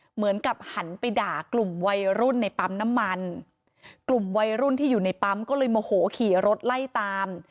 เหมือนกับหันไปด่ากลุ่มวัยรุ่นในปั๊มน้ำมันกลุ่มวัยรุ่นที่อยู่ในปั๊มก็เลยโมโหขี่รถไล่ตาม